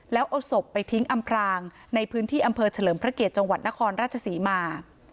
แล้วเอาศพไปทิ้งอำพรางในพื้นที่อำเภอเฉลิมพระเกียรติจังหวัดนครราชศรีมา